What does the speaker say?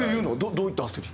どういった焦り？